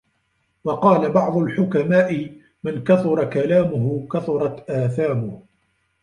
وَقَالَ بَعْضُ الْحُكَمَاءِ مَنْ كَثُرَ كَلَامُهُ كَثُرَتْ آثَامُهُ